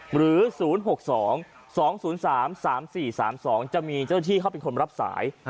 หรือ๐๖๒๒๐๓๓๔๓๒จะมีเจ้าหน้าที่เขาเป็นคนรับสาย